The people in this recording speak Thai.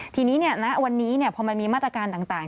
ทีนี้ณวันนี้พอมันมีมาตรการต่าง